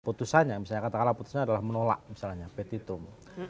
putusannya misalnya katakanlah putusannya adalah menolak misalnya petitum